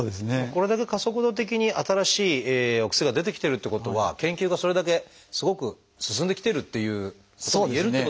これだけ加速度的に新しいお薬が出てきてるってことは研究がそれだけすごく進んできてるっていうこともいえるってことですもんね。